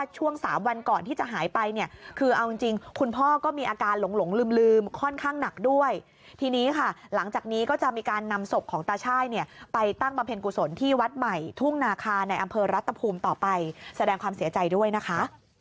จริงคุณพ่อก็มีอาการหลงลืมค่อนข้างหนักด้วยทีนี้ค่ะหลังจากนี้ก็จะมีการนำศพของตาช่ายเนี่ยไปตั้งบำเพ็ญกุศลที่วัดใหม่ทุ่งนาคาในอำเภอรัฐภูมิต่อไปแสดงความเสียใจด้วยนะคะ